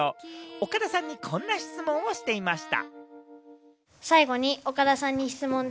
岡田さんにこんな質問をしていました。